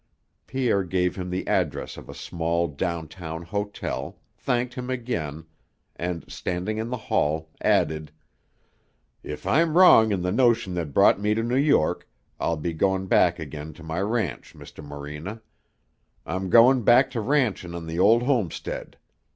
Pierre gave him the address of a small, downtown hotel, thanked him again, and, standing in the hall, added, "If I'm wrong in the notion that brought me to New York, I'll be goin' back again to my ranch, Mr. Morena. I'm goin' back to ranchin' on the old homestead.